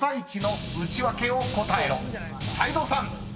泰造さん］